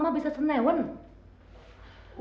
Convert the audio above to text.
untung kakakmu sudah tidak jadi foto model lagi